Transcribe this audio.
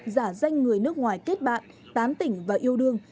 giả danh người nước ngoài kết bạn tán tỉnh và yêu đương